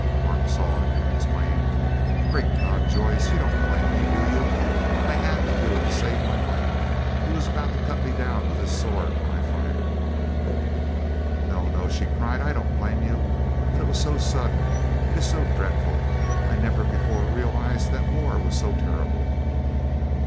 Mark saw it, and exclaimed, "Great God! Joyce, you don't blame me, do you? I had to do it to save my life. He was about to cut me down with his sword when I fired." "No, no," she cried, "I don't blame you, but it was so sudden; it is so dreadful. I never before realized that war was so terrible."